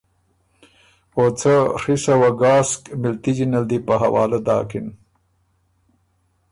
او څه ڒی سوه ګاسک مِلتجی نل دی په حوالۀ داکِن۔